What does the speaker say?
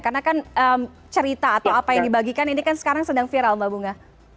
karena kan cerita atau apa yang dibagikan ini kan sekarang sedang viral mbak bunga